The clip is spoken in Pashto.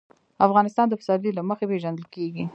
افغانستان د پسرلی له مخې پېژندل کېږي.